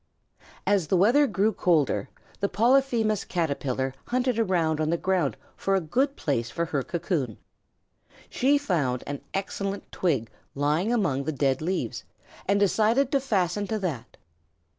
As the weather grew colder the Polyphemus Caterpillar hunted around on the ground for a good place for her cocoon. She found an excellent twig lying among the dead leaves, and decided to fasten to that.